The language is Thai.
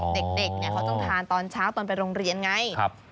เด็กเขาต้องทานตอนเช้าตอนไปโรงเรียนไง